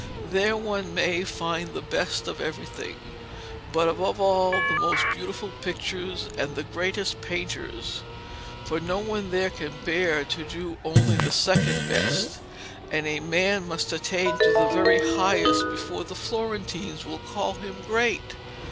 There one may find the best of everything, but above all, the most beautiful pictures and the greatest of painters. For no one there can bear to do only the second best, and a man must attain to the very highest before the Florentines will call him great.